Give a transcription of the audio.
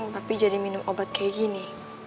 tapi jadi minum obat kayak gini